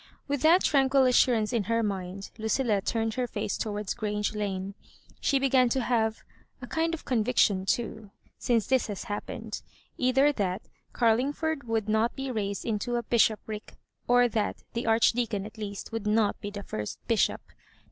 With that tranquil assurance in her mind, Lucilhi turned her face towards Grange Lana She began to have a kind of con viction, too, since this had happened, either that Carlingford would not be raised into a bishopric, or that the Archdeacon at least would not be the first bishop.